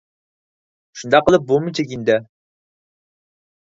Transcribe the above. شۇنداق قىلىپ بۇمۇ چېكىندى.